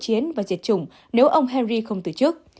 chiến và diệt chủng nếu ông henry không từ chức